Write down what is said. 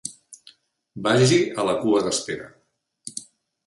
Vagi a la cua d'espera.